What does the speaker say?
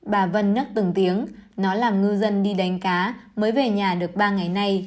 bà vân nức từng tiếng nó làm ngư dân đi đánh cá